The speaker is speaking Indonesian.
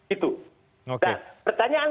itu dan pertanyaan